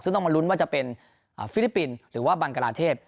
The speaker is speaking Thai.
ซึ่งต้องมาลุ้นว่าจะเป็นฟิลิปปินส์หรือว่าบังกลาเทพ